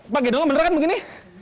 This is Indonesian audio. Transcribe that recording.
pak gede lu beneran kan begini